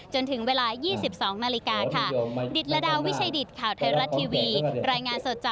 จนถึงเวลา๒๒นาฬิกาค่ะ